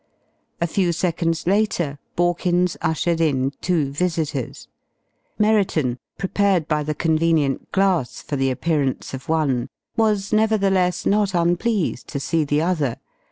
A few seconds later Borkins ushered in two visitors. Merriton, prepared by the convenient glass for the appearance of one was nevertheless not unpleased to see the other.